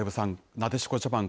なでしこジャパン